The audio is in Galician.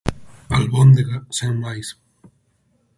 Albóndega, sen máis.